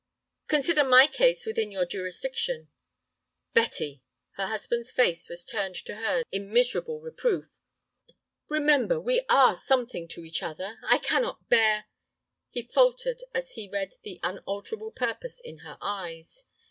"Consider my case within your jurisdiction." "Betty:" Her husband's face was turned to hers in miserable reproof. "Remember, we are something to each other. I cannot bear—" He faltered as he read the unalterable purpose in her eyes.